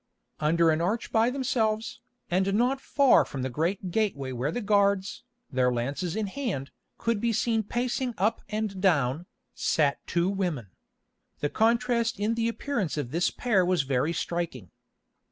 Under an arch by themselves, and not far from the great gateway where the guards, their lances in hand, could be seen pacing up and down, sat two women. The contrast in the appearance of this pair was very striking.